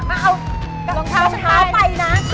มาเอารองเท้าไปนะ